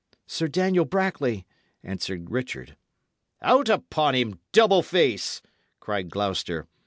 "Sir Daniel Brackley," answered Richard. "Out upon him, double face!" cried Gloucester.